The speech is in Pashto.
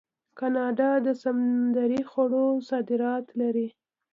کاناډا د سمندري خوړو صادرات لري.